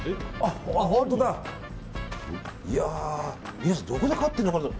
皆さんどこで買ってるのかなと。